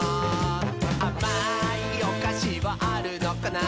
「あまいおかしはあるのかな？」